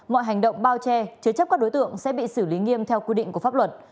mọi hành động bao che chứa chấp các đối tượng sẽ bị xử lý nghiêm theo quy định của pháp luật